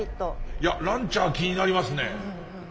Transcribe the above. ランチャー気になりますね。